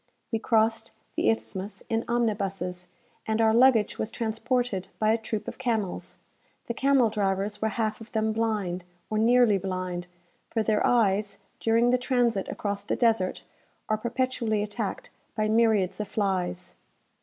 We crossed the Isthmus in omnibuses, and our luggage was transported by a troop of camels. The camel drivers were half of them blind, or nearly blind; for their eyes, during the transit across the desert, are perpetually attacked by myriads of flies.